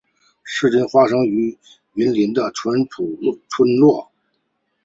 故事发生于云林的纯朴村落